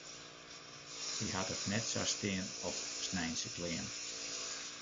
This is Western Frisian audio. Hy hat it net sa stean op sneinske klean.